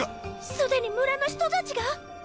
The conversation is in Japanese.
すでに村の人たちが？